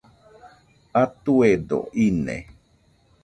Atuedo ine